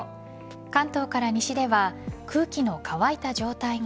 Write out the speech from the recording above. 関東から西では空気の乾いた状態が